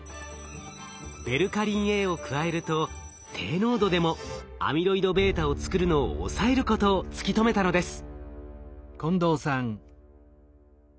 ベルカリンＡを加えると低濃度でもアミロイドβを作るのを抑えることを突き止めたのです。